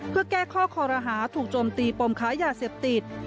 เพื่อแก้ข้อคอรหาถูกโจมตีปมค้ายาเสพติด